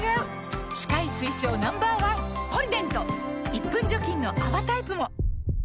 １分除菌の泡タイプも！